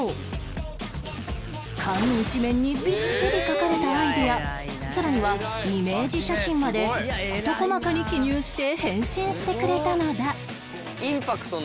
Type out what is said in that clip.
紙一面にびっしり書かれたアイデアさらにはイメージ写真まで事細かに記入して返信してくれたのだ